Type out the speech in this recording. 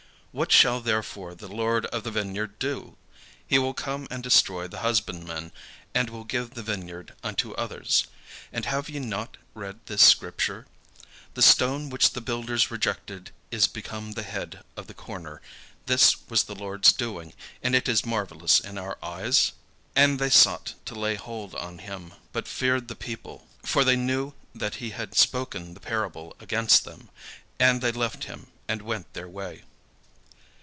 What shall therefore the lord of the vineyard do? He will come and destroy the husbandmen, and will give the vineyard unto others. And have ye not read this scripture; 'The stone which the builders rejected is become the head of the corner: this was the Lord's doing, and it is marvellous in our eyes?'" And they sought to lay hold on him, but feared the people: for they knew that he had spoken the parable against them: and they left him, and went their way.